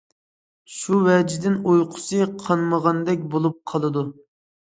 شۇ ۋەجىدىن ئۇيقۇسى قانمىغاندەك بولۇپ قالىدۇ.